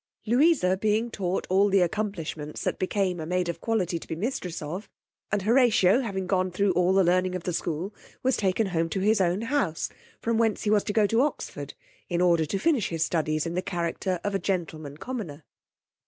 Louisa being taught all the accomplishments that became a maid of quality to be mistress of; and Horatio having gone thro' all the learning of the school, was taken home to his own house, from whence he was to go to Oxford, in order to finish his studies in the character of a gentleman commoner.